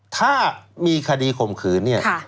ถ้ามีคดีข่มขืนเนี่ย